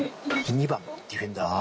２番ディフェンダー。